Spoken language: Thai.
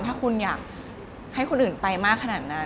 ถ้าคุณอยากให้คนอื่นไปมากขนาดนั้น